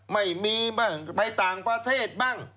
ไม่มีบ้างไปต่างประเทศบ้าง